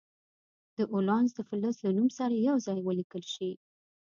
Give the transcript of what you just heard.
دا ولانس د فلز له نوم سره یو ځای ولیکل شي.